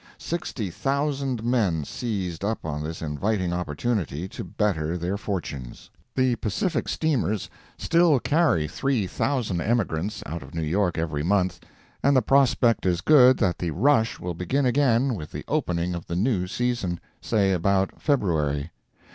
Sixty thousand men seized up on this inviting opportunity to better their fortunes. The Pacific steamers still carry 3,000 emigrants out of New York every month, and the prospect is good that the "rush" will begin again with the opening of the new season—say about February.